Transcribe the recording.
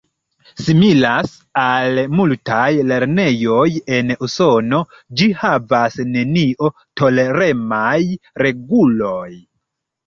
Similas al multaj lernejoj en usono, ĝi havas nenio-toleremaj reguloj.